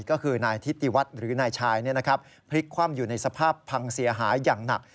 ก็คือนายทิติวัฒน์หรือนายชายพลิกคว่ำอยู่ในสภาพพังเสียหายอย่างหนัก